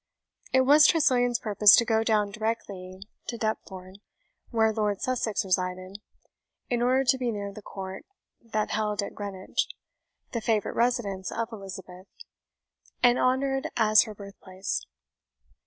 It was Tressilian's purpose to go down directly to Deptford, where Lord Sussex resided, in order to be near the court, then held at Greenwich, the favourite residence of Elizabeth, and honoured as her birthplace.